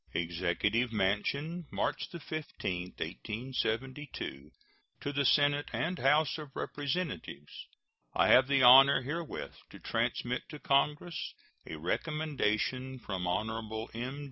] EXECUTIVE MANSION, March 15, 1872. To the Senate and House of Representatives: I have the honor herewith to transmit to Congress a recommendation from Hon. M.